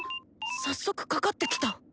早速かかってきた。